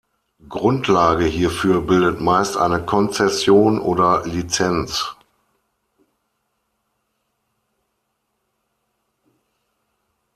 Grundlage hierfür bildet meist eine Konzession oder Lizenz.